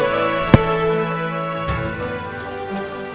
ustaz ini masak celah